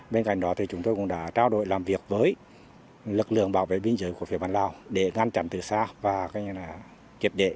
bên cạnh đó chúng tôi cũng đã trao đổi làm việc với lực lượng bảo vệ biên giới của phía bản lào để ngăn chặn từ xa và kiệp đệ